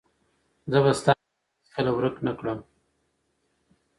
زه به ستا نمبر هیڅکله ورک نه کړم.